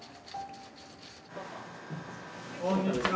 こんにちは。